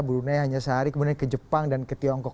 brunei hanya sehari kemudian ke jepang dan ke tiongkok